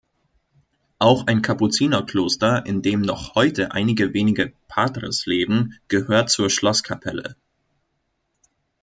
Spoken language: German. Auch ein Kapuzinerkloster, in dem noch heute einige wenige Patres leben, gehört zur Schlosskapelle.